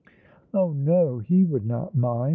" Oh no, he would not mind